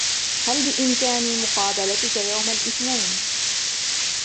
هل بإمكاني مقابلتك يوم الإثنين ؟